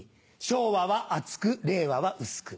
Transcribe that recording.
昭和は厚く令和は薄く。